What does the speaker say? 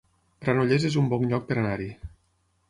Granollers es un bon lloc per anar-hi